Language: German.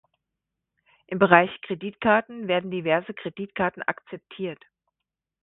Im Bereich Kreditkarten werden diverse Kreditkarten akzeptiert.